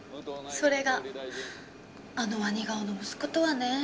それがあのワニ顔の息子とはね。